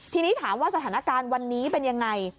ทีนี้ถามว่าสถานการณ์วันนี้เป็นยังไง